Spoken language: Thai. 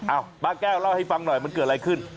ป้าแก้วเล่าให้ฟังหน่อยมันเกิดอะไรขึ้น